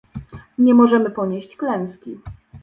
Nie możemy ponieść klęski